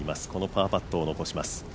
パーパットを残します。